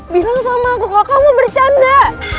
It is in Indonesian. bilang sama aku kalau kamu bercanda